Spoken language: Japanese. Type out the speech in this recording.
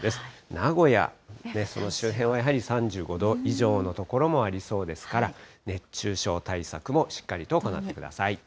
名古屋、その周辺は、やはり３５度以上の所もありそうですから、熱中症対策もしっかりと行ってください。